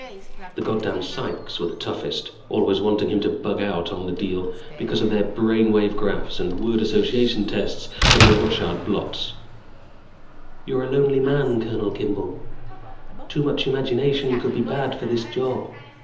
The goddam psychs were the toughest, always wanting him to bug out on the deal because of their brainwave graphs and word association tests and their Rorschach blots. "You're a lonely man, Colonel Kimball " "Too much imagination could be bad for this job."